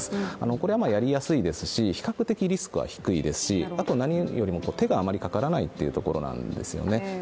これはやりやすいですし、比較的リスクは低いですしあと、何よりも手が余りかからないというところなんですよね。